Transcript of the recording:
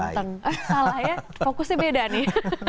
salah ya fokusnya beda nih